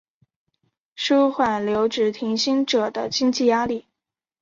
纾缓留职停薪者的经济压力